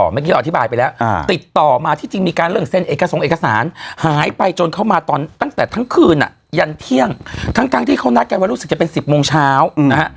เมื่อกี้เราอธิบายไปแล้วติดต่อมาที่จริงมีการเรื่องเซ็นเอกสงเอกสารหายไปจนเข้ามาตอนตั้งแต่ทั้งคืนอ่ะยันเที่ยงทั้งที่เขานัดกันว่ารู้สึกจะเป็น๑๐โมงเช้านะฮะ